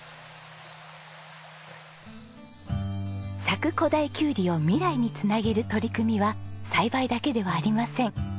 佐久古太きゅうりを未来に繋げる取り組みは栽培だけではありません。